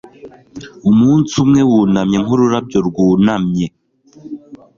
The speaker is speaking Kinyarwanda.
Umunsi umwe wunamye nkururabyo rwunamye